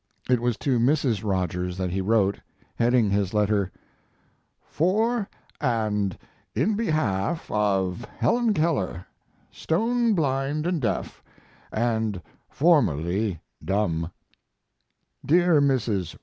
It was to Mrs. Rogers that he wrote, heading his letter: For & in behalf of Helen Keller, Stone blind & deaf, & formerly dumb. DEAR MRS.